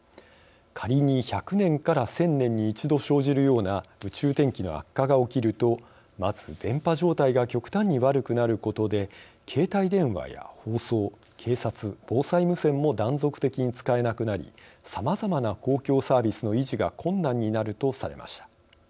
仮に１００年から１，０００年に一度生じるような宇宙天気の悪化が起きるとまず電波状態が極端に悪くなることで携帯電話や放送警察・防災無線も断続的に使えなくなりさまざまな公共サービスの維持が困難になるとされました。